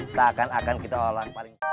seakan akan kita olah